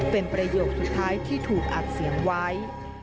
เป็นประโยคสุดท้ายที่ถูกอัดเสียงไว้